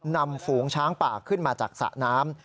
นำฝูงช้างปากขึ้นมาจากสะน้ำ